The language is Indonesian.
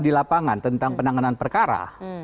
di lapangan tentang penanganan perkara